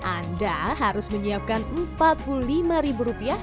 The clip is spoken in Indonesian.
anda harus menyiapkan rp empat puluh lima